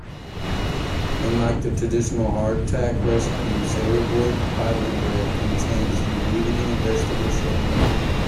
Unlike the traditional hardtack recipe, Sailor Boy Pilot Bread contains leavening and vegetable shortening.